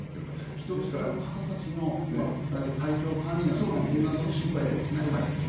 人質の方たちの体調管理などの心配ということですね。